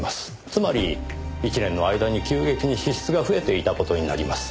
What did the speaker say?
つまり１年の間に急激に支出が増えていた事になります。